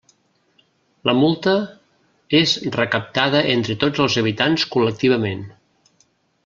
La multa és recaptada entre tots els habitants col·lectivament.